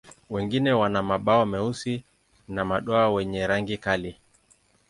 Wengine wana mabawa meusi na madoa wenye rangi kali.